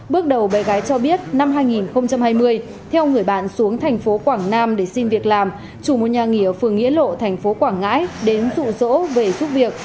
bước đầu bé gái cho biết năm hai nghìn hai mươi theo người bạn xuống thành phố quảng nam để xin việc làm chủ một nhà nghỉ ở phường nghĩa lộ thành phố quảng ngãi đến rụ rỗ về giúp việc